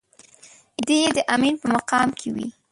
دی يې د امين په مقام کې وي.